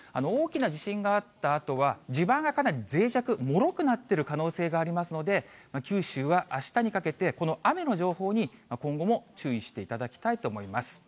大きな地震があったあとは、地盤がかなりぜい弱、もろくなってる可能性がありますので、九州はあしたにかけて、この雨の情報に今後も注意していただきたいと思います。